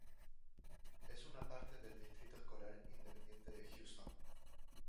Es una parte del Distrito Escolar Independiente de Houston.